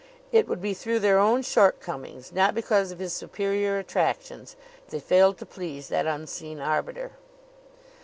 It would be through their own shortcomings not because of his superior attractions if they failed to please that unseen arbiter.